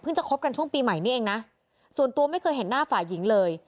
จะคบกันช่วงปีใหม่นี้เองนะส่วนตัวไม่เคยเห็นหน้าฝ่ายหญิงเลย